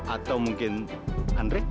atau mungkin andri